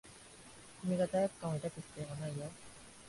君が罪悪感を抱く必要はないよ。